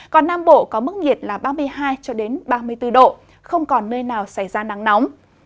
còn nam bộ có mức nhiệt là ba mươi hai ba mươi bốn độ không còn nơi nào xảy ra nắng nóng